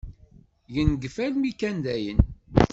Yengef almi kan dayen.